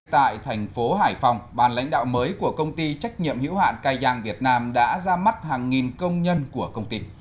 tại thành phố hải phòng bàn lãnh đạo mới của công ty trách nhiệm hữu hạn cai giang việt nam đã ra mắt hàng nghìn công nhân của công ty